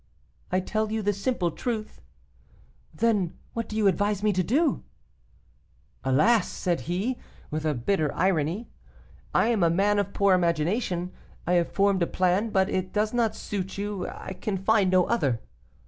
'I tell you the simple truth.' 'Then what do you advise me to do?' 'Alas!' said he, with a bitter irony. 'I am a man of poor imagination. I had formed a plan, but it does not suit you; I can find no other.